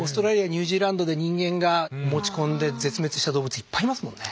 ニュージーランドで人間が持ち込んで絶滅した動物いっぱいいますもんね。